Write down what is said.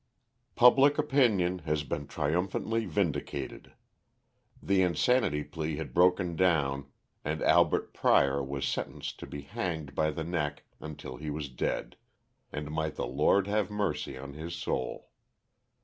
Public opinion had been triumphantly vindicated. The insanity plea had broken down, and Albert Prior was sentenced to be hanged by the neck until he was dead, and might the Lord have mercy on his soul.